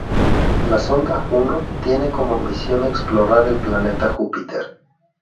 La sonda Juno tiene como misión explorar el planeta Júpiter.